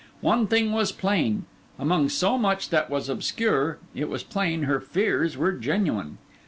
One thing was plain, among so much that was obscure: it was plain her fears were genuine.